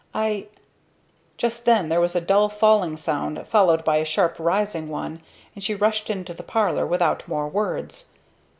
"I " Just then there was a dull falling sound followed by a sharp rising one, and she rushed into the parlor without more words.